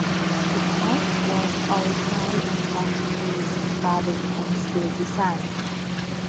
The type was originally intended to use a fabric-and-steel design.